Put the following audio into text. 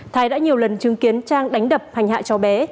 thái đã nhiều lần chứng kiến trang đánh đập hành hạ cho bé